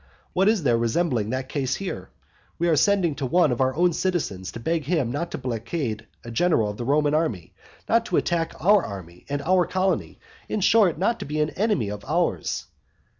What is there resembling that case here? We are sending to one of our own citizens to beg him not to blockade a general of the Roman army, not to attack our army and our colony, in short, not to be an enemy of ours.